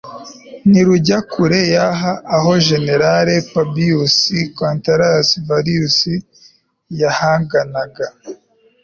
ntirujya kure yaha aho general publius quinctilius varus yahanganaga